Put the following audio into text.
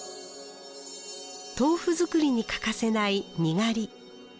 豆腐作りに欠かせないにがり。